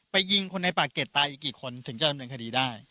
ยิงคนในปากเกร็ดตายอีกกี่คนถึงจะดำเนินคดีได้